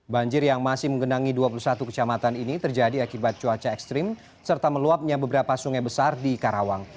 banjir yang masih menggenangi dua puluh satu kecamatan ini terjadi akibat cuaca ekstrim serta meluapnya beberapa sungai besar di karawang